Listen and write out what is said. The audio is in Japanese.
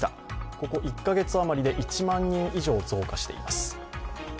ここ１か月余りで１万人以上増加しています。